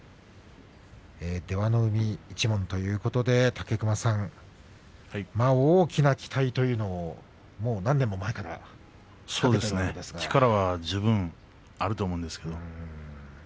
出羽海一門ということで武隈さん大きな期待というのももう何年も前から力は十分あると思うんですけれども。